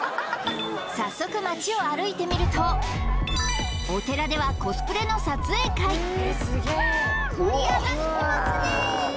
早速街を歩いてみるとお寺ではコスプレのヒャー盛り上がってますね！